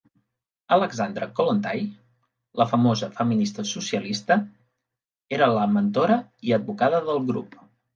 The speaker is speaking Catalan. Alexandra Kollontai, la famosa feminista socialista, era la mentora i advocada del grup.